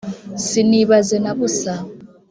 sinibaze na busa